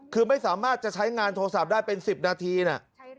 คือไม่สามารถจะใช้งานโทรศัพท์ได้เป็น๑๐นาทีนะ